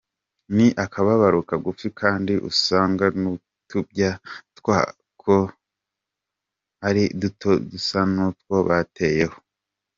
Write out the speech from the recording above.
Ni akaboro kagufi kandi usanga n’utubya twako ari duto dusa nutwo bateyeho.